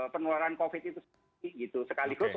penularan covid itu sendiri gitu sekaligus